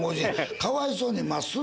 かわいそうに、まっすー